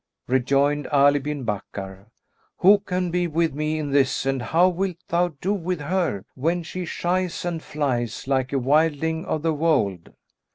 Rejoined Ali bin Bakkar, "Who can be with me in this and how wilt thou do with her, when she shies and flies like a wildling of the wold?"